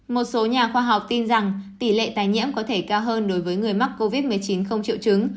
một số nhà khoa học tin rằng tỷ lệ tái nhiễm có thể cao hơn đối với người mắc covid một mươi chín không triệu chứng